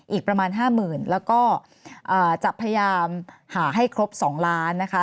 อีกประมาณ๕๐๐๐แล้วก็จะพยายามหาให้ครบ๒ล้านนะคะ